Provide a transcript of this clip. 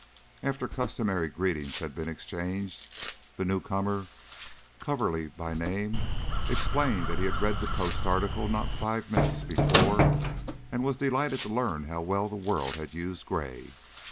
After customary greetings had been exchanged, the newcomer, Coverly by name, explained that he had read the Post article not five minutes before, and was delighted to learn how well the world had used Gray.